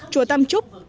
chùa tam trúc